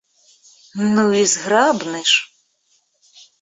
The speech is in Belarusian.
Ну, і зграбны ж!